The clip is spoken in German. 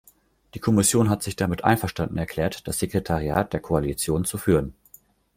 Die Kommission hat sich damit einverstanden erklärt, das Sekretariat der Koalition zu führen.